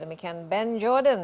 terima kasih banyak ben jordan